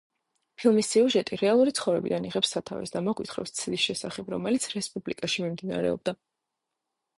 ფილმის სიუჟეტი რეალური ცხოვრებიდან იღებს სათავეს და მოგვითხრობს ცდას შესახებ, რომელიც რესპუბლიკაში მიმდინარეობდა.